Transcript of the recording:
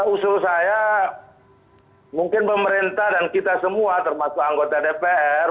usul saya mungkin pemerintah dan kita semua termasuk anggota dpr